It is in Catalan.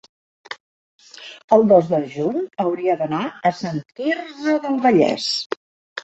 el dos de juny hauria d'anar a Sant Quirze del Vallès.